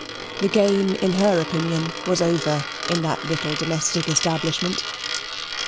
The game, in her opinion, was over in that little domestic establishment.